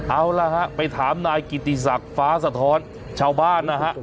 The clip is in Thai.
เอาล่ะฮะไปถามนายกิติศักดิ์ฟ้าสะท้อนชาวบ้านนะฮะ